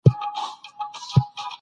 د خوړو عادتونه د وخت سره بدلېږي.